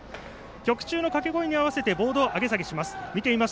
曲中の掛け声に合わせて上げ下げしています。